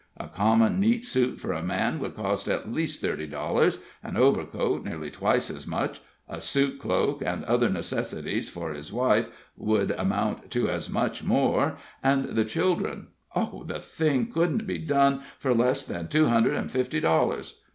A common neat suit for a man would cost at least thirty dollars, an overcoat nearly twice as much; a suit cloak, and other necessities for his wife would amount to as much more, and the children oh, the thing couldn't be done for less than two hundred and fifty dollars.